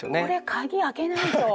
鍵開けないと。